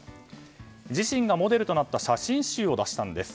自身がモデルとなった写真集を出したんです。